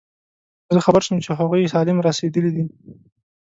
زه خبر شوم چې هغوی سالم رسېدلي دي.